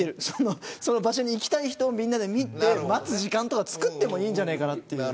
その場所に行きたい人をみんなで見て待つ時間をつくってもいいんじゃないかなと。